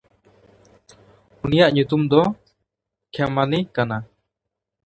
ᱩᱱᱤᱭᱟᱜ ᱧᱩᱛᱩᱢ ᱫᱚ ᱠᱷᱮᱢᱟᱱᱤ ᱠᱟᱱᱟ᱾